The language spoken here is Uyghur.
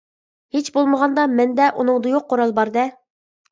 ھېچ بولمىغاندا، مەندە ئۇنىڭدا يوق قورال بار-دە.